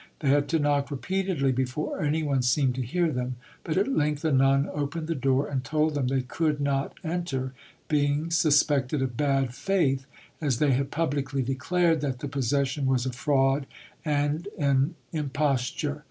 They had to knock repeatedly before anyone seemed to hear them, but at length a nun opened the door and told them they could not enter, being suspected of bad faith, as they had publicly declared that the possession was a fraud and an imposture.